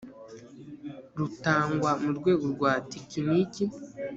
rutangwa mu rwego rwa tekiniki .